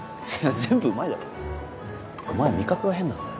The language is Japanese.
全部うまいだろお前味覚が変なんだよ。